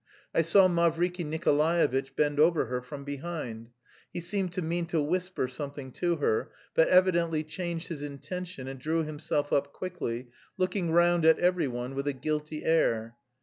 I saw Mavriky Nikolaevitch bend over her from behind; he seemed to mean to whisper something to her, but evidently changed his intention and drew himself up quickly, looking round at every one with a guilty air.